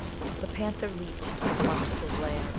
The panther leaped to the front of his lair.